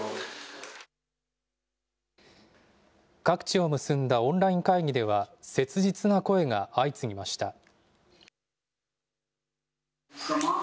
各地を結んだオンライン会議では切実な声が相次ぎました。